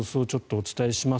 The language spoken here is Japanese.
お伝えします。